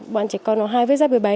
bọn trẻ con nó hay vứt rác bờ bấy